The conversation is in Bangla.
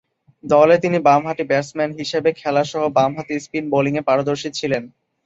দলে তিনি বামহাতি ব্যাটসম্যান হিসেবে খেলাসহ বামহাতে স্পিন বোলিংয়ে পারদর্শী ছিলেন।